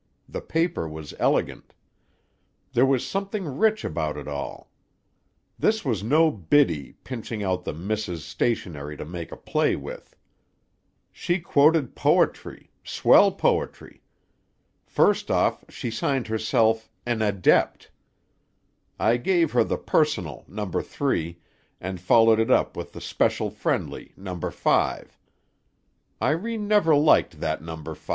The paper was elegant. There was something rich about it all. This was no Biddy, pinching out the missis' stationery to make a play with. She quoted poetry, swell poetry. First off she signed herself 'An Adept'. I gave her the Personal, No. 3, and followed it up with the Special Friendly, No. 5. Irene never liked that No. 5.